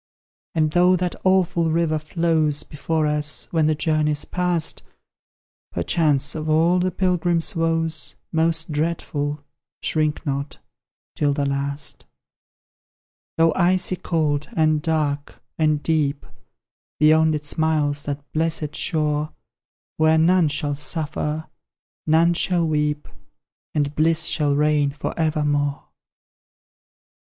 And though that awful river flows Before us, when the journey's past, Perchance of all the pilgrim's woes Most dreadful shrink not 'tis the last! Though icy cold, and dark, and deep; Beyond it smiles that blessed shore, Where none shall suffer, none shall weep, And bliss shall reign for evermore!